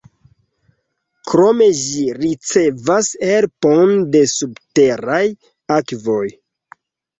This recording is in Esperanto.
Krome ĝi ricevas helpon de subteraj akvoj.